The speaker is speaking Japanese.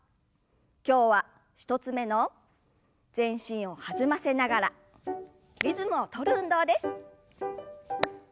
今日は１つ目の全身を弾ませながらリズムを取る運動です。